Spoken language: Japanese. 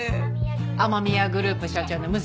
天宮グループ社長の娘さん。